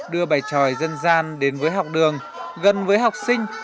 đưa bài tròi dân gian đến với học đường gần với học sinh